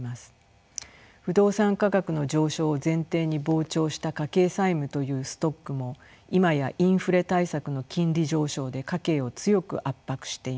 不動産価格の上昇を前提に膨張した家計債務というストックも今やインフレ対策の金利上昇で家計を強く圧迫しています。